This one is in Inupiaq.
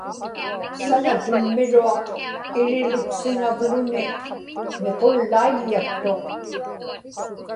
sanatummiruaq iriluksiŋavluni miqullaiḷḷaktuq